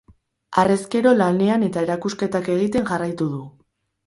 Harrezkero lanean eta erakusketak egiten jarraitu du.